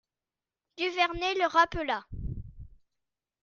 Duvernet le rappela.